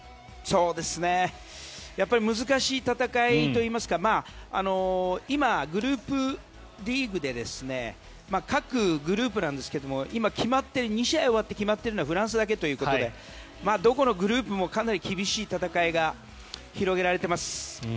やっぱり難しい戦いといいますか今、グループリーグで各グループなんですが今、２試合終わって決まっているのはフランスだけということでどこのグループもかなり厳しい戦いが広げられています。